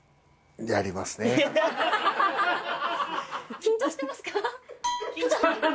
緊張してますか？